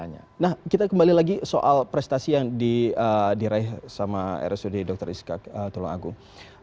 nah kita kembali lagi soal prestasi yang diraih sama rsud dr iska tulungagung